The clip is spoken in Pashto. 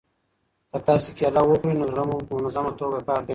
که تاسي کیله وخورئ نو زړه مو په منظمه توګه کار کوي.